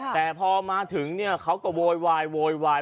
แต่พอมาถึงเนี่ยเขาก็โวยวายโวยวาย